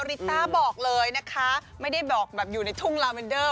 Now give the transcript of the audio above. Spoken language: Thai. ริต้าบอกเลยนะคะไม่ได้บอกแบบอยู่ในทุ่งลาเมนเดอร์